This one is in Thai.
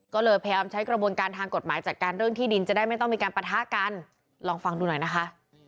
ก็เลยพยายามใช้กระบวนการทางกฎหมายจัดการเรื่องที่ดินจะได้ไม่ต้องมีการปะทะกันลองฟังดูหน่อยนะคะ